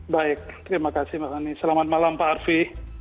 baik terima kasih mas ani selamat malam pak arfi